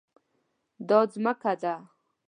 دا ځمکه ده